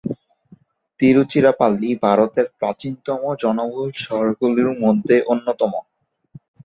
তিরুচিরাপল্লী ভারতের প্রাচীনতম জনবহুল শহরগুলির মধ্যে একটি।